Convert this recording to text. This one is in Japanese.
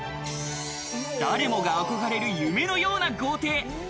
誰もが憧れる夢のような豪邸。